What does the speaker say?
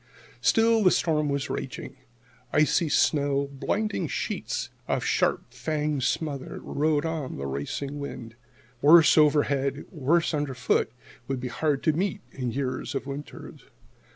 Still the storm was raging. Icy snow, blinding sheets of sharp fanged smother, rode on the racing wind. Worse overhead, worse underfoot, would be hard to meet in years of winters.